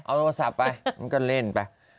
เอาโทรศัพท์ไปมันก็เล่นไป